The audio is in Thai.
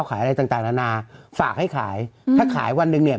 อะไรต่างต่างนานาฝากให้ขายถ้าขายวันหนึ่งเนี่ย